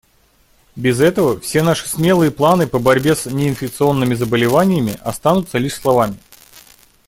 Без этого все наши смелые планы по борьбе с неинфекционными заболеваниями останутся лишь словами.